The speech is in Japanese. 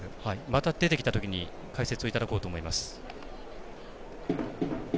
また、出てきたときに解説いただこうと思います。